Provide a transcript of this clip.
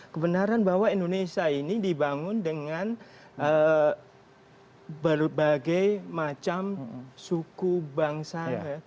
kebenaran bahwa indonesia ini dibangun dengan berbagai macam suku bangsa